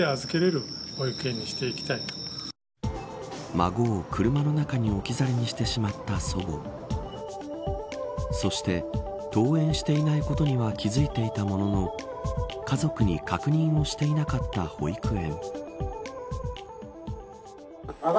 孫を車の中に置き去りにしてしまった祖母そして登園していないことには気づいていたものの家族に確認をしていなかった保育園。